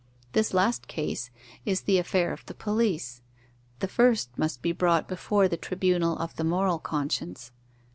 This last case is the affair of the police; the first must be brought before the tribunal of the moral conscience.